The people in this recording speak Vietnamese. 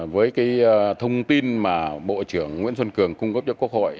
với cái thông tin mà bộ trưởng nguyễn xuân cường cung cấp cho quốc hội